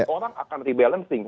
orang akan rebalancing